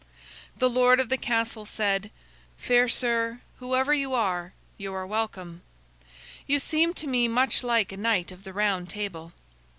The lord of the castle said: "Fair sir, whoever you are, you are welcome. You seem to me much like a Knight of the Round Table."